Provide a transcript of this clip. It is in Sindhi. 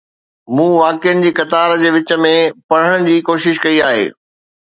مون واقعن جي قطارن جي وچ ۾ پڙهڻ جي ڪوشش ڪئي آهي.